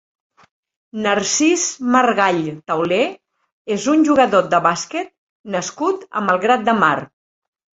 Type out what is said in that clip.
Narcís Margall Tauler és un jugador de bàsquet nascut a Malgrat de Mar.